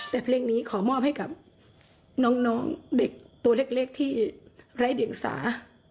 แต่เพลงนี้ขอมอบให้กับน้องเด็กตัวเล็กที่ไร้เดียงสา